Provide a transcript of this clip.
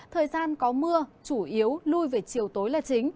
thời gian có mưa chủ yếu lui về chiều tối là chính